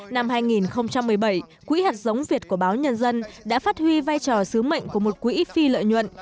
năm hai nghìn một mươi bảy quỹ hạt giống việt của báo nhân dân đã phát huy vai trò sứ mệnh của một quỹ phi lợi nhuận